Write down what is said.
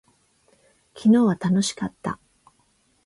昨日は楽しかった。